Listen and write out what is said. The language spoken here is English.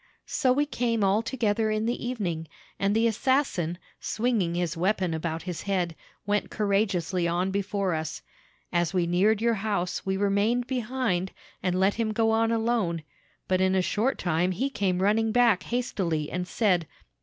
So we came all together in the evening, and the assassin, swinging his weapon about his head, went courageously on before us. As we neared your house, we remained behind, and let him go on alone. But in a short time he came running back hastily, and said.